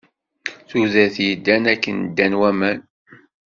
Tudert yeddan akken ddan waman.